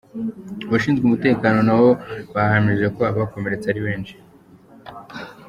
Abashinzwe umutekano na bo bahamije ko abakomeretse ari benshi.